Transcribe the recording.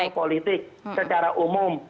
tentang politik secara umum